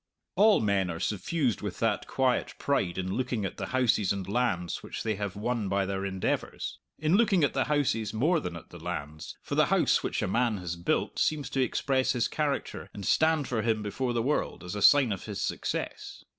All men are suffused with that quiet pride in looking at the houses and lands which they have won by their endeavours in looking at the houses more than at the lands, for the house which a man has built seems to express his character and stand for him before the world, as a sign of his success.